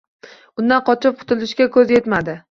Undan qochib qutulishiga ko’zi yetmadi.